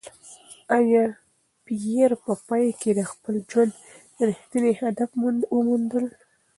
ایا پییر په پای کې د خپل ژوند رښتینی هدف وموند؟